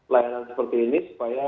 layanan seperti ini supaya